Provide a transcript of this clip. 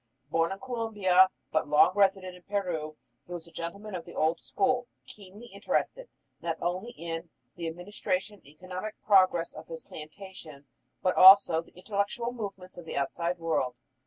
Born in Colombia, but long resident in Peru, he was a gentleman of the old school, keenly interested, not only in the administration and economic progress of his plantation, but also in the intellectual movements of the outside world.